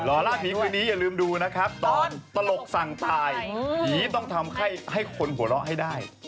ล่าผีคืนนี้อย่าลืมดูนะครับตอนตลกสั่งตายผีต้องทำให้คนหัวเราะให้ได้